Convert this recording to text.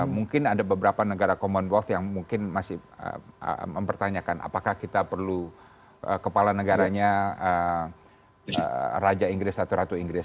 mungkin ada beberapa negara common work yang mungkin masih mempertanyakan apakah kita perlu kepala negaranya raja inggris ratu ratu inggris